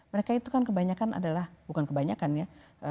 mereka itu kan kebanyakan adalah bukan kebanyakan ya